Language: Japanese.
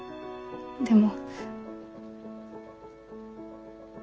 でも。